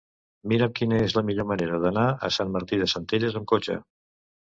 Mira'm quina és la millor manera d'anar a Sant Martí de Centelles amb cotxe.